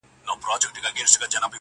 قاتلان او جاهلان یې سرداران دي-